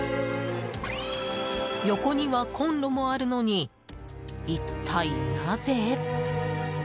横にはコンロもあるのに一体なぜ。